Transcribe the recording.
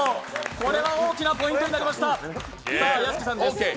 これは大きなポイントになりました！